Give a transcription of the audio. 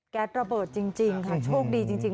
ระเบิดจริงค่ะโชคดีจริง